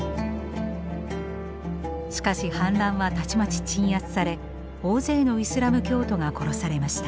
しかし反乱はたちまち鎮圧され大勢のイスラム教徒が殺されました。